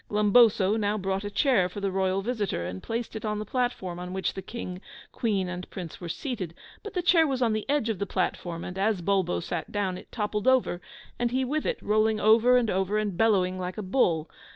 Glumboso now brought a chair for the Royal visitor, and placed it on the platform on which the King, Queen, and Prince were seated; but the chair was on the edge of the platform, and as Bulbo sat down, it toppled over, and he with it, rolling over and over, and bellowing like a bull.